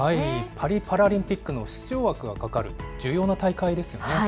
パリパラリンピックの出場枠が懸かる、重要な大会ですよね。